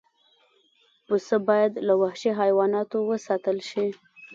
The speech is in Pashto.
پسه باید له وحشي حیواناتو وساتل شي.